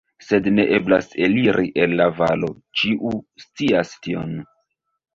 Sed ne eblas eliri el la valo, ĉiu scias tion.